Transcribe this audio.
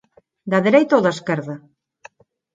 Da dereita ou da esquerda?